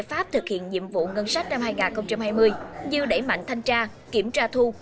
giải pháp thực hiện nhiệm vụ ngân sách năm hai nghìn hai mươi như đẩy mạnh thanh tra kiểm tra thu